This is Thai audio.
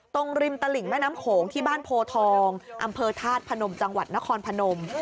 ริมตลิ่งแม่น้ำโขงที่บ้านโพทองอำเภอธาตุพนมจังหวัดนครพนม